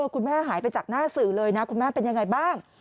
คุณแม่หายไปจากหน้าสื่อเลยนะคุณแม่เป็นยังไงบ้าง